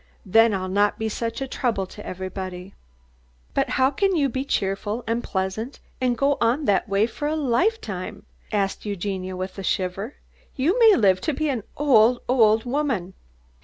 Then I'll not be such a trouble to everybody." "But how can you be cheerful and pleasant, and go on that way for a whole lifetime?" asked Eugenia, with a shiver. "You may live to be an old, old woman."